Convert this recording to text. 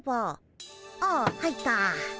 ああ入った。